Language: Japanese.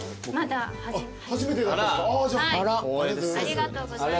ありがとうございます。